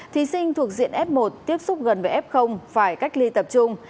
thí sinh thuộc diện f một tiếp xúc gần với f phải cách ly tập trung